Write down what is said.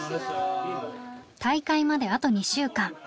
大会まであと２週間。